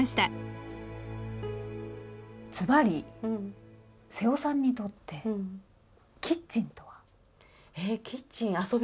ずばり瀬尾さんにとってキッチンとは？えキッチン遊び場。